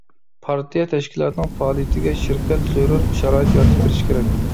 پارتىيە تەشكىلاتىنىڭ پائالىيىتىگە شىركەت زۆرۈر شارائىت يارىتىپ بېرىشى كېرەك.